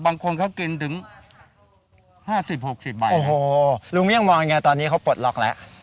บางคนเขากินถึงห้าสิบหกสิบใบโอ้โหลุงเมี่ยงมองไงตอนนี้เขาปลดล็อกแล้ว